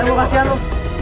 lalu kasihan bu